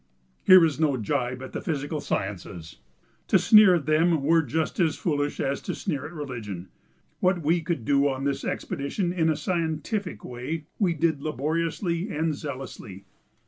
Here is no gibe at the physical sciences. To sneer at them were just as foolish as to sneer at religion. What we could do on this expedition in a "scientific" way we did laboriously and zealously.